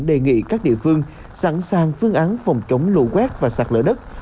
đề nghị các địa phương sẵn sàng phương án phòng chống lụ quét và sạt lỡ đất